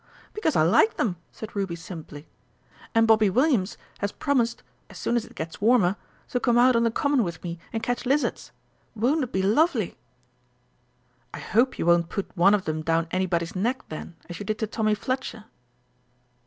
"Because I like them," said Ruby simply. "And Bobby Williams has promised, as soon as it gets warmer, to come out on the Common with me and catch lizards. Won't it be lovely?" "I hope you won't put one of them down anybody's neck, then, as you did to Tommy Fletcher."